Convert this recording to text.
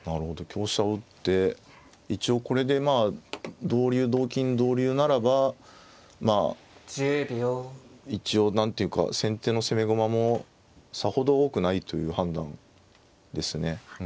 香車を打って一応これでまあ同竜同金同竜ならばまあ一応何ていうか先手の攻め駒もさほど多くないという判断ですね。